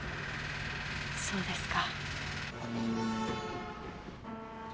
そうですか。